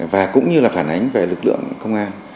và cũng như là phản ánh về lực lượng công an